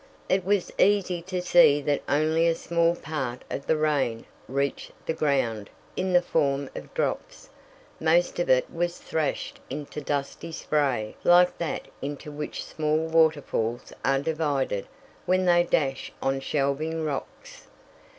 It was easy to see that only a small part of the rain reached the ground in the form of drops. Most of it was thrashed into dusty spray like that into which small waterfalls are divided when they dash on shelving rocks.